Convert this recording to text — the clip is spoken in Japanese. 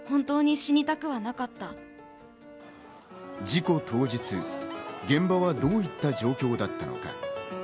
事故当日、現場はどういった状況だったのか。